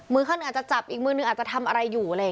มือเข้าหนึ่งอาจจะจับอีกมือหนึ่งอาจจะทำอะไรอยู่